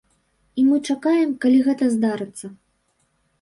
І мы чакаем, калі гэта здарыцца.